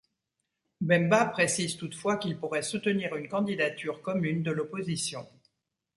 Bemba précise toutefois qu'il pourrait soutenir une candidature commune de l'opposition.